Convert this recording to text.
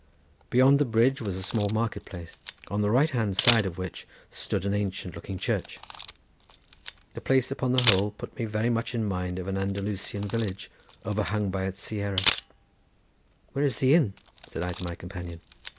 Beyond the bridge was a small market place, on the right hand side of which stood an ancient looking church. The place upon the whole put me very much in mind of an Andalusian village overhung by its sierra. "Where is the inn?" said I to my companion.